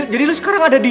jadi lo sekarang ada di